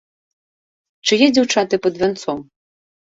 Чые дзяўчаты пад вянцом?